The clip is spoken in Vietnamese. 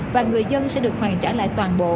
và người dân sẽ được hoàn trả lại toàn bộ